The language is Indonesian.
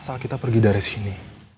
saat kita pergi dari sini